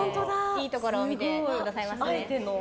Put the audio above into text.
いいところを見てくださいました。